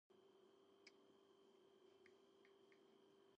დააპატიმრეს იოსებ სტალინის გარდაცვალების შემდეგ.